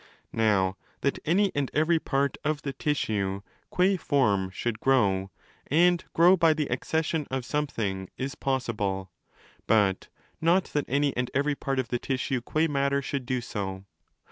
Now, that any and every part of the tissue gva form should grow—and grow by the accession of something—is possible, but not that any and every part of the tissue gua matter should do so.